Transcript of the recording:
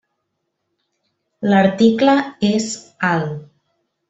L'article és 'al'.